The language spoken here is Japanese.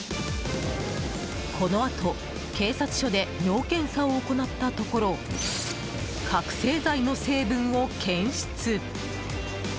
このあと、警察署で尿検査を行ったところ覚醒剤の成分を検出。